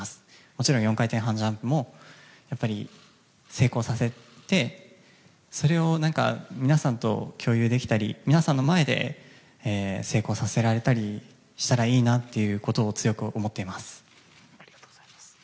もちろん４回転半ジャンプもやっぱり成功させてそれを皆さんと共有できたり皆さんの前で成功させられたりしたらいいなっていうことを強く思っています。